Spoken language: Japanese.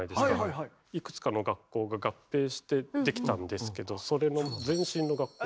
いくつかの学校が合併してできたんですけどそれの前身の学校。